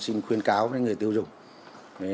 xin khuyên cáo với người tiêu dùng